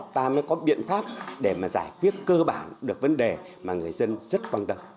ta mới có biện pháp để mà giải quyết cơ bản được vấn đề mà người dân rất quan tâm